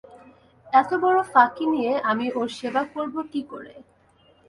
এতবড়ো ফাঁকি নিয়ে আমি ওঁর সেবা করব কী করে?